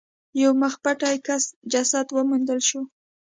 یو مخ پټي کس جسد وموندل شو.